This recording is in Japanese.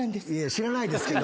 知らないですけど。